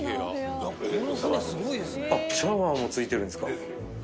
シャワーも付いてるんですか。